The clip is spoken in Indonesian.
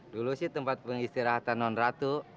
dulu sih tempat pengistirahatan non ratu